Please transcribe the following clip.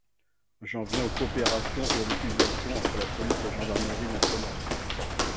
J’en viens aux coopérations et aux mutualisations entre la police et la gendarmerie nationales.